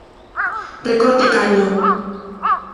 Recorte e caño.